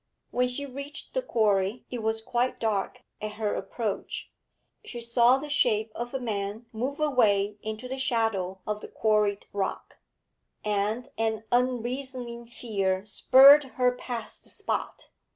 When she reached the quarry it was quite dark at her approach she saw the shape of a man move away into the shadow of the quarried rock, and an unreasoning fear spurred her past the spot.